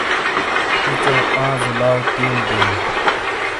اوچو آںزو لاؤ تیݨو بیئو۔